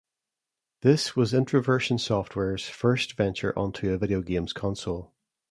This was Introversion Software's first venture onto a video games console.